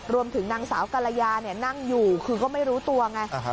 รวมถึงนางสาวกรยานั่งอยู่คือก็ไม่รู้ตัวไง